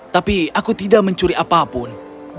tapi aku tidak mencuri apapun